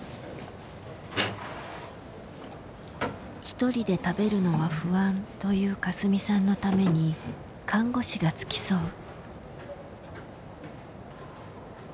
「一人で食べるのは不安」というかすみさんのために看護師が付き添う。